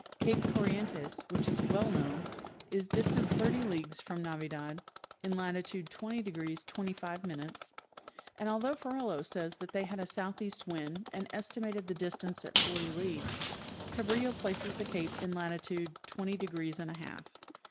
Cape Corrientes, which was well known, is distant thirty leagues from Navidad, in lati tude 20° 25', and although Ferrelo says they had a southeast wind, and estimated the distance at forty leagues, Cabrillo places the cape in latitude "twenty degrees and a half."